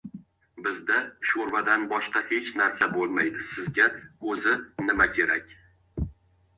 Bizda sho‘rvadan boshqa hech narsa bo‘lmaydi. Sizga o‘zi nima kerak?